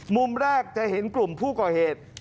มุมแรกจะเห็นกลุ่มผู้ก่อเหตุ